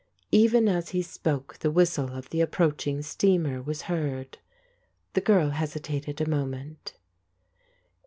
Even as he spoke the whistle of the approaching steamer was heard. The girl hesitated a moment.